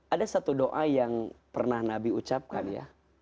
ada satu do'a yang pernah nabi muhammadin ucapkan